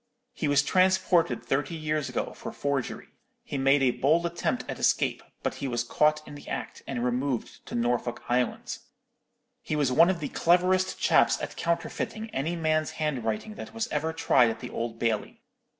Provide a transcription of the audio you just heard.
He was transported thirty years ago for forgery: he made a bold attempt at escape, but he was caught in the act, and removed to Norfolk Island. He was one of the cleverest chaps at counterfeiting any man's handwriting that was ever tried at the Old Bailey.